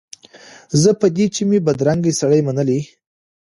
زه په دې چي مي بدرنګ سړی منلی